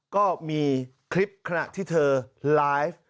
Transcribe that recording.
ก็มีคลิปขณะที่เธอไลฟ์